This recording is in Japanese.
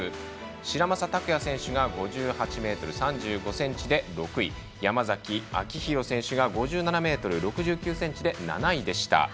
白砂匠庸選手が５８ｍ３５ｃｍで６位山崎晃裕選手が５７ｍ６９ｃｍで７位でした。